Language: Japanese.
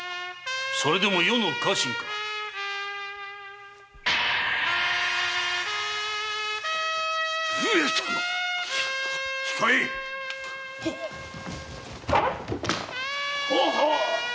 それでも余の家臣か⁉上様⁉控えい！ははーっ！